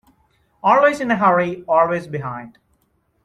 Always in a hurry, always behind.